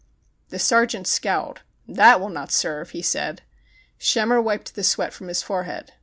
The sergeant scowled. "That will not serve," he said. Schemmer wiped the sweat from his fore head.